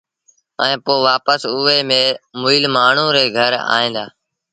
ائيٚݩ پو وآپس اُئي مئيٚل مآڻهوٚٚݩ ري گھر ائيٚݩ دآ